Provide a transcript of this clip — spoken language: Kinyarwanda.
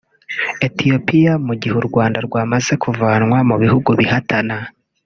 Ethiopia mu gihe u Rwanda rwamaze kuvanwa mu bihugu bihatana